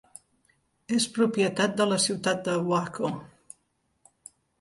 És propietat de la ciutat de Waco.